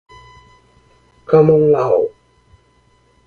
common law